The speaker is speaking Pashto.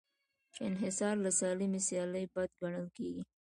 انحصار له سالمې سیالۍ بد ګڼل کېږي.